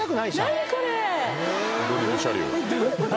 何これ⁉何？